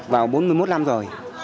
vào bốn mươi một năm rồi